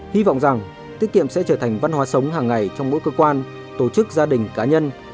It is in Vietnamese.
hy vọng rằng tiết kiệm sẽ trở thành văn hóa sống hàng ngày trong mỗi cơ quan tổ chức gia đình cá nhân